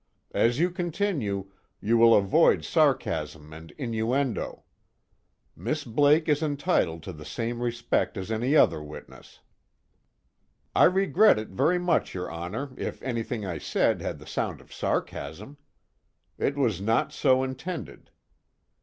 As you continue, you will avoid sarcasm and innuendo. Miss Blake is entitled to the same respect as any other witness." "I regret it very much, your Honor, if anything I said had the sound of sarcasm. It was not so intended.